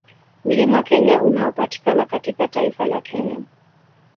Mlima Kenya unaopatikana katika taifa la Kenya